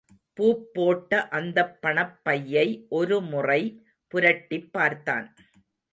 பூப் போட்ட அந்தப் பணப்பையை ஒருமுறை புரட்டிப் பார்த்தான்.